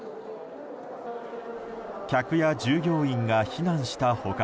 客や従業員が避難した他